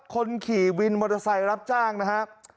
คนขี่วินมอเตอร์ไซค์รับจ้างนะครับ